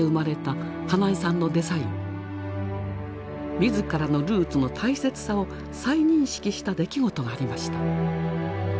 自らのルーツの大切さを再認識した出来事がありました。